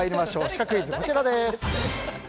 シカクイズ、こちらです。